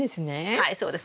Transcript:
はいそうです。